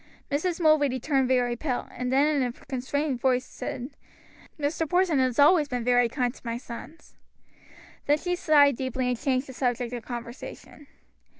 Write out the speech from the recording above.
Mrs. Mulready turned very pale, and then in a constrained voice said: "Mr. Porson has always been very kind to my sons." Then she sighed deeply and changed the subject of conversation.